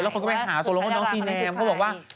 แล้วคนก็ไปหาตัวลงของน้องซีแนมก็บอกว่า